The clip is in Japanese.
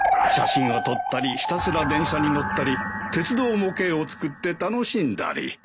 写真を撮ったりひたすら電車に乗ったり鉄道模型を作って楽しんだり。